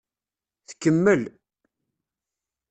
Tkemmel.